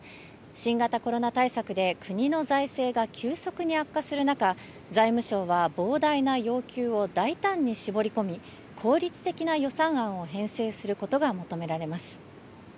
新型コロナ対策で国の財政が急速に悪化する中、財務省は膨大な要求を大胆に絞り込み、効率的な予算案を編成することが求められます。